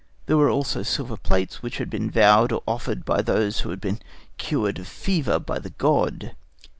There were also silver plates which had been vowed or offered by those who had been cured of fever by the god.